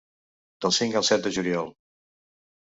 Del cinc al set de juliol.